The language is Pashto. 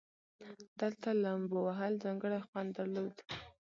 دلته لومبو وهل ځانګړى خوند درلودو.